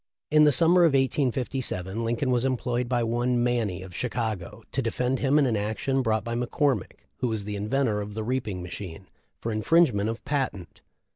In the summer of 1857 Lincoln was employed by one Manny, of Chicago, to defend him in an action brought by McCormick,*who was the inventor of the reaping machine, for infringement of patent.